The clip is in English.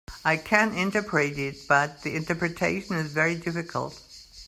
I can interpret it, but the interpretation is very difficult.